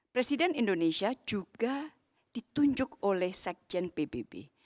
presiden indonesia juga ditunjuk oleh sekjen pbb